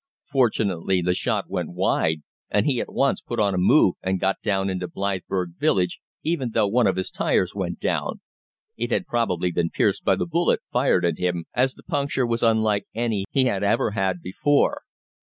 Fortunately, the shot went wide, and he at once put on a move and got down into Blythburgh village, even though one of his tyres went down. It had probably been pierced by the bullet fired at him, as the puncture was unlike any he had ever had before.